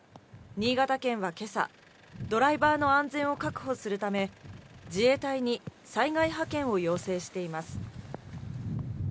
新潟県は今朝、ドライバーの安全を確保するため自衛隊に災害派遣を要請しています。